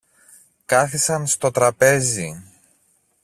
Κάθισαν στο τραπέζι.